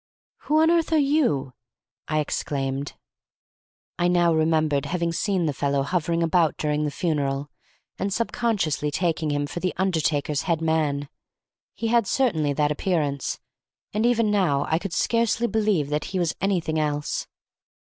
"Who on earth are you?" I exclaimed. I now remembered having seen the fellow hovering about during the funeral, and subconsciously taking him for the undertaker's head man. He had certainly that appearance, and even now I could scarcely believe that he was anything else.